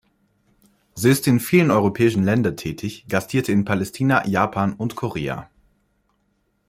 Sie ist in vielen europäischen Länder tätig, gastierte in Palästina, Japan und Korea.